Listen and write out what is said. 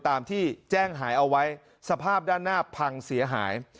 ตามที่แจ้งหายเอาไว้สภาพด้านหน้าพังเสียหาย